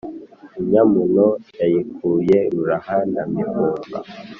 Inyamuno yayikuye Ruraha na Mivumba.